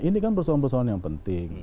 ini kan persoalan persoalan yang penting